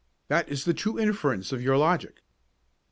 "That is the true inference of your logic."